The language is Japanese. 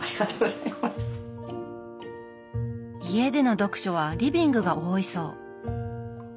家での読書はリビングが多いそう。